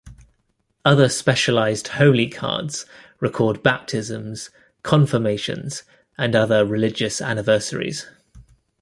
Other specialized holy cards record baptisms, confirmations, and other religious anniversaries.